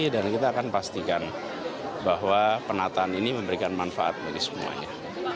dan kita akan pastikan bahwa penataan ini memberikan manfaat bagi semuanya